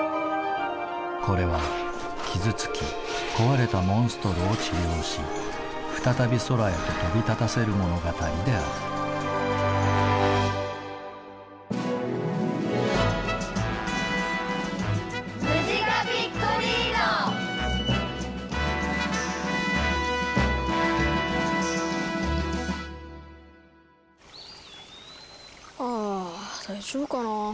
これは傷つき壊れたモンストロを治療し再び空へと飛び立たせる物語であるああ大丈夫かなぁ。